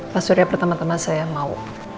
pak surya pertama tama saya mau